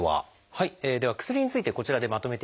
では薬についてこちらでまとめて見ていきます。